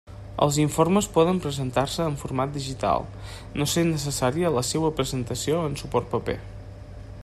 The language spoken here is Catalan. Els informes poden presentar-se en format digital, no sent necessària la seua presentació en suport paper.